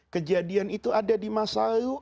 kejadian itu ada di masa lalu